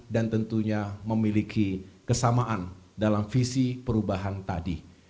dan tentunya memiliki kesamaan dalam visi perubahan tadi